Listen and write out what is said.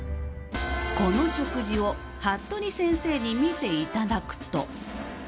この食事を服部先生に見ていただくと。